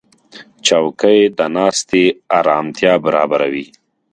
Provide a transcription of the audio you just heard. چوکۍ د ناستې آرامتیا برابروي.